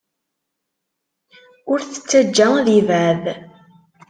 Ur t-ttajja ad yebɛed.